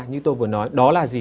như tôi vừa nói đó là gì